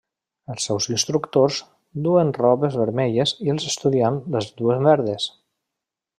Els seus instructors duen robes vermelles i els estudiants les duen verdes.